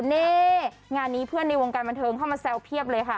นี่งานนี้เพื่อนในวงการบันเทิงเข้ามาแซวเพียบเลยค่ะ